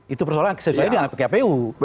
itu persoalan sesuai dengan pkpu